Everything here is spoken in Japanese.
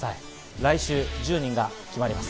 来週１０人が決まります。